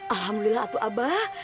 alhamdulillah atuh abah